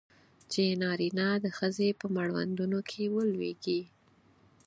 چې نارینه د ښځې په مړوندونو کې ولویږي.